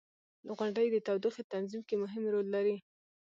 • غونډۍ د تودوخې تنظیم کې مهم رول لري.